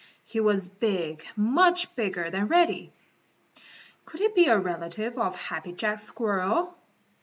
He was big, much bigger than Reddy. Could he be a relative of Happy Jack Squirrel?